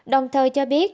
đồng thời cho biết